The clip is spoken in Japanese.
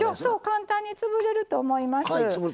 簡単に潰れると思います。